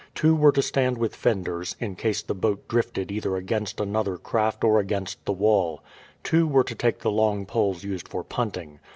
Two were to stand with fenders, in case the boat drifted either against another craft or against the wall. Two were to take the long poles used for punting.